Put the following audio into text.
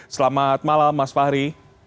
selamat malam mas fahri